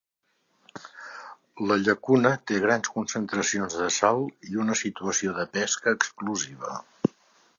La llacuna té grans concentracions de sal i una situació de pesca exclusiva.